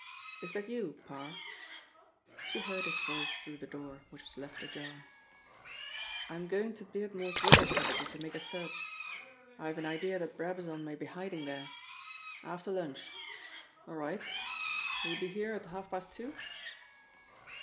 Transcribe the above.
"Is that you, Parr?" She heard his voice through the door, which was left ajar. "I am going to Beardmore's river property to make a search. I have an idea that Brabazon may be hiding there! After lunch; all right. Will you be here at half past two?"